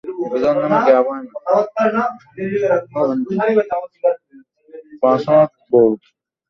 ছেলেটি নিচু গলায় বলল, আপনি আমার বোনকে বিপদ থেকে রক্ষা করেছেন।